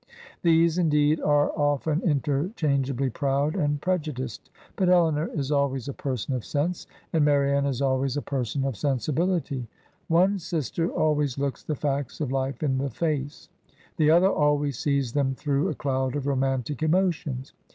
These, indeed, are often interchangeably proud and prejudiced; but Elinor is always a person of sense, and Marianne is always a person of sensibihty. One sister always looks the facts of life in the face; the other always sees them through a cloud of romantic emotions.